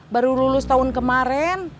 baru lulus tahun kemarin